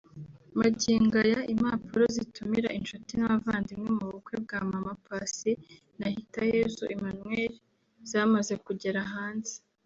Magingo aya impapuro zitumira inshuti n’abavandimwe mu bukwe bwa Mama Paccy na Hitayezu Emmanuel zamaze kugera hanze